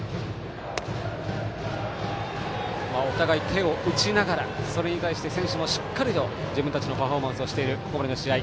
お互い手を打ちながらそれに対して選手もしっかりと自分たちのパフォーマンスをしているここまでの試合。